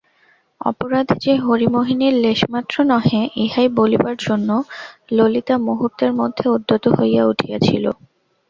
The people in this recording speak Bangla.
অপরাধ যে হরিমোহিনীর লেশমাত্র নহে ইহাই বলিবার জন্য ললিতা মুহূর্তের মধ্যে উদ্যত হইয়া উঠিয়াছিল।